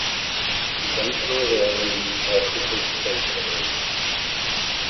Conventional rallying also takes place on ice.